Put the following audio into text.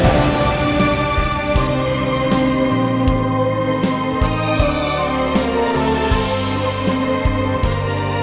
kenapa jadi kayak gini